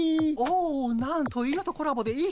おなんと犬とコラボで一句。